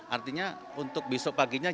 artinya untuk besok paginya